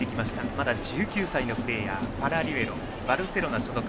まだ１９歳のプレーヤーパラリュエロバルセロナ所属。